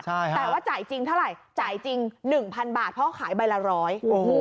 แต่ว่าจ่ายจริงเท่าไหร่จ่ายจริง๑๐๐๐บาทเพราะขายใบละร้อย